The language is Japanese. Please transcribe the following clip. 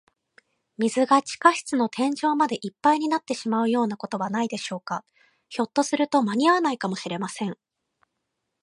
水が地下室の天井までいっぱいになってしまうようなことはないでしょうか。ひょっとすると、まにあわないかもしれません。